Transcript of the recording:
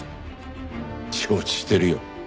承知しているよ。